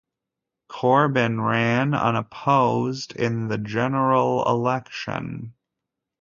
Corbin ran unopposed in the general election.